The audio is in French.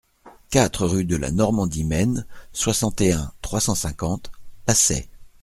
quatre rue de la Normandie Maine, soixante et un, trois cent cinquante, Passais